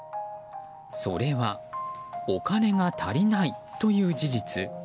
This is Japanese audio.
それはお金が足りないという事実。